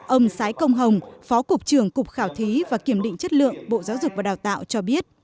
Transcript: ông sái công hồng phó cục trưởng cục khảo thí và kiểm định chất lượng bộ giáo dục và đào tạo cho biết